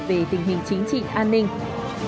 về tình hình chính trị an ninh